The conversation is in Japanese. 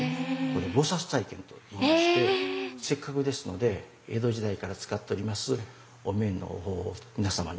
これ菩体験といいましてせっかくですので江戸時代から使っておりますえ！